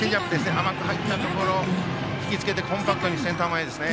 甘く入ったところ引きつけてコンパクトにセンター前ですね。